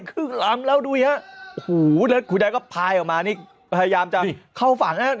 ครึ่งลำแล้วดูฮะโอ้โหแล้วคุณยายก็พายออกมานี่พยายามจะเข้าฝั่งฮะ